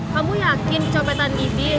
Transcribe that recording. kamu yakin copetan ini